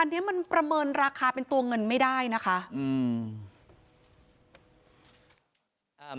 อันนี้มันประเมินราคาเป็นตัวเงินไม่ได้นะคะอืม